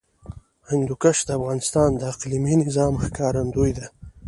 هندوکش د افغانستان د اقلیمي نظام ښکارندوی ده.